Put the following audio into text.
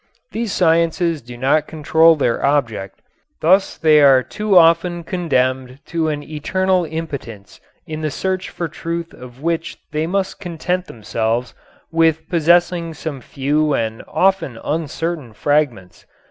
These sciences do not control their object. Thus they are too often condemned to an eternal impotence in the search for truth of which they must content themselves with possessing some few and often uncertain fragments.